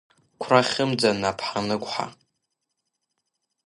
Қәра хьымӡа Наԥҳа Ныгәҳа!